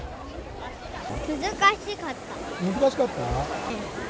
難しかった？